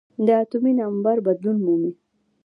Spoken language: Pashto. د اتومي نمبر بدلون مومي .